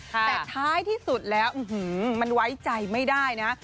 แต่ท้ายที่สุดแล้วมันไว้ใจไม่ได้นะ